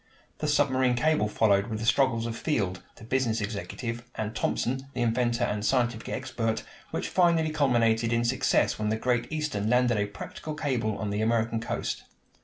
The submarine cable followed with the struggles of Field, the business executive, and Thomson, the inventor and scientific expert, which finally culminated in success when the Great Eastern landed a practical cable on the American coast.